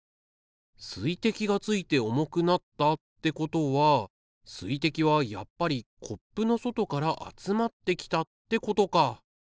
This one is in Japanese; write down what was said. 水滴がついて重くなったってことは水滴はやっぱりコップの外から集まってきたってことか。